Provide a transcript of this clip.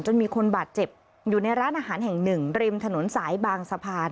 มีคนบาดเจ็บอยู่ในร้านอาหารแห่งหนึ่งริมถนนสายบางสะพาน